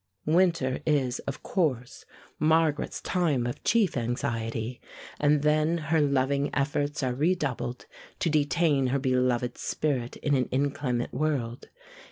Winter is, of course, Margaret's time of chief anxiety, and then her loving efforts are redoubled to detain her beloved spirit in an inclement world.